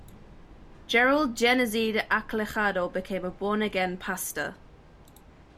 Gerald "Genezide" Acelajado became a Born-Again Pastor.